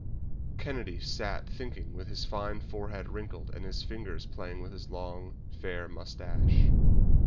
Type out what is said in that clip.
Kennedy sat thinking with his fine forehead wrinkled and his fingers playing with his long, fair moustache.